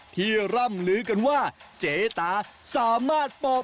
ร่ำลือกันว่าเจ๊ตาสามารถปอบ